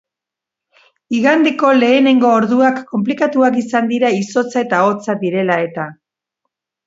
Igandeko lehenengo orduak konplikatuak izan dira izotza eta hotza direla eta.